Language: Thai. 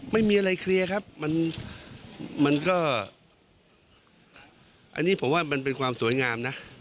ไม่มีอะไรเครีย์ครับผมว่ามันเป็นความสวยงามนะ